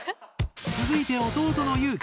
続いて弟の有輝。